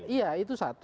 iya itu satu